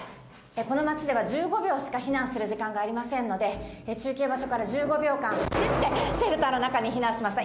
この町では１５秒しか避難する時間がありませんので、中継場所から１５秒間、シェルターの中に避難しました。